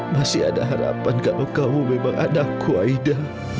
masih ada harapan kalau kamu memang anakku aida